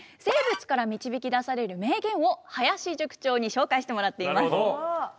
生物から導き出される名言を林塾長に紹介してもらっています。